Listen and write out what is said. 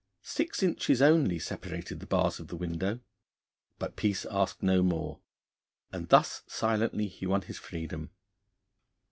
Six inches only separated the bars of the window, but Peace asked no more, and thus silently he won his freedom.